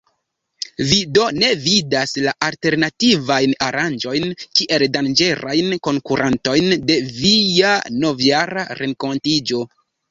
Vi do ne vidas la alternativajn aranĝojn kiel danĝerajn konkurantojn de via Novjara Renkontiĝo?